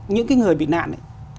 những cái người bị nạn